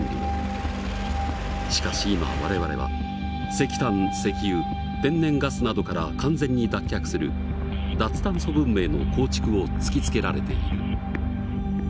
しかし今我々は石炭石油天然ガスなどから完全に脱却する脱炭素文明の構築を突きつけられている。